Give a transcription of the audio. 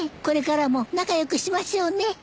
これからも仲良くしましょうね。